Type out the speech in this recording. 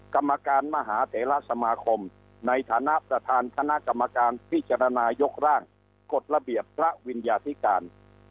กรรมการมหาเถระสมาคมในฐานะประธานคณะกรรมการพิจารณายกร่างกฎระเบียบพระวิญญาธิการ